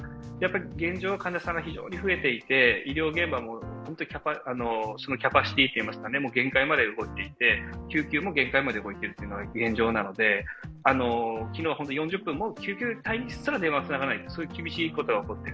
現状は患者さんが非常に増えていて、医療現場もキャパシティーが限界まで動いていて救急も限界まで動いているというのが現状なので昨日は４０分、救急隊にすら電話がつながらないという厳しいことが起こっている。